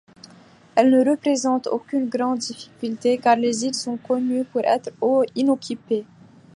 Elle ne présente aucune grande difficulté car les îles sont connues pour être inoccupées.